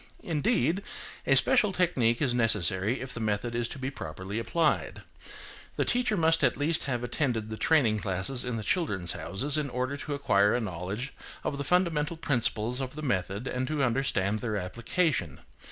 Indeed, a special technique is necessary if the method is to be properly applied. The teacher must at least have attended the training classes in the "Children's Houses," in order to acquire a knowledge of the fundamental principles of the method and to understand their application.